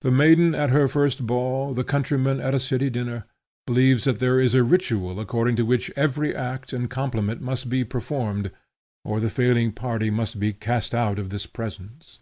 The maiden at her first ball, the country man at a city dinner, believes that there is a ritual according to which every act and compliment must be performed, or the failing party must be cast out of this presence.